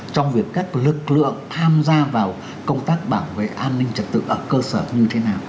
trong việc các lực lượng tham gia vào công tác bảo vệ an ninh trật tự ở cơ sở như thế nào